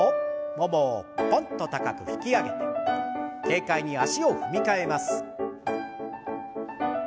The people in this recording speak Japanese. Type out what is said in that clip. ももをポンと高く引き上げて軽快に足を踏み替えます。